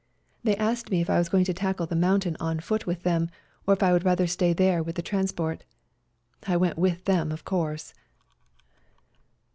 They asked me if I was going to tackle the mountain on foot FIGHTING ON MOUNT CHUKUS 135 with them, or if I would rather stay there with the transport. I went with them, of course.